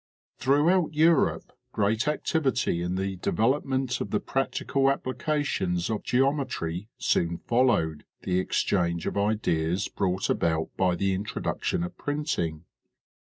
Throughout Europe great activity in the development of the practical applications of geometry soon followed the exchange of ideas brought about by the introduction of printing.